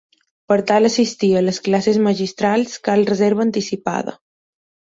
Per tal assistir a les classes magistrals cal reserva anticipada.